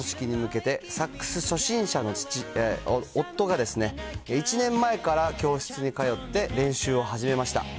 次女の結婚式に向けて、サックス初心者の夫が、１年前から教室に通って練習を始めました。